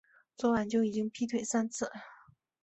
昨晚就已经劈腿三次